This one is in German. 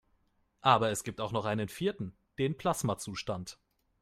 Aber es gibt auch noch einen vierten: Den Plasmazustand.